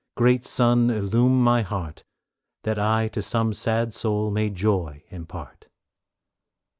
Great Sun, illume my heart! That I to some sad soul may joy impart.